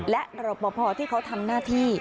และหนุ่มพี่ที่เขาทำหน้าที่